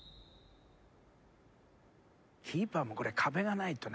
キーパーもこれ壁がないとね。